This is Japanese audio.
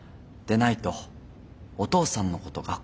でないとお父さんのこと